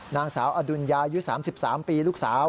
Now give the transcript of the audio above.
นางสาวอดุญญายุ๓๓ปีลูกสาว